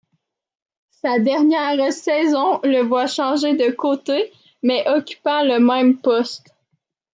Sa dernière saison le voit changer de côté, mais occupant le même poste.